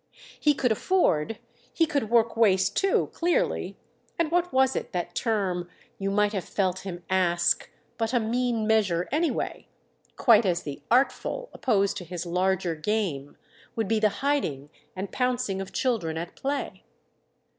He could afford, he could work waste too, clearly—and what was it, that term, you might have felt him ask, but a mean measure, anyway? quite as the "artful," opposed to his larger game, would be the hiding and pouncing of children at play.